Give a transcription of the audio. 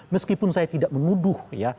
meskipun saya tidak menuduh ya